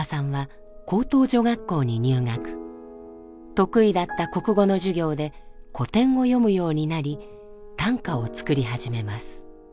得意だった国語の授業で古典を読むようになり短歌を作り始めます。